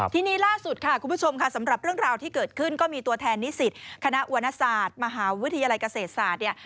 ทีนี้ล่าสุดค่ะคุณผู้ชมค่ะสำหรับเรื่องราวที่เกิดขึ้นก็มีตัวแทนนิสิตคณะวรรณศาสตร์มหาวิทยาลัยเกษตรศาสตร์เนี่ย